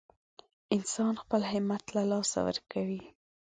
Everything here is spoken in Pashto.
انسان خپل همت له لاسه ورکوي.